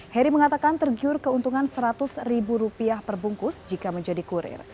heri mengatakan tergiur keuntungan seratus ribu rupiah perbungkus jika menjadi kurir